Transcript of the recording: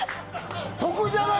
得じゃない？